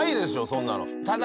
そんなの。